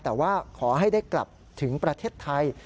แต่ว่าขอให้ได้กลับถึงประเทศไทย